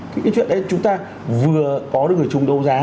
thế cái chuyện đấy chúng ta vừa có được người trúng đấu giá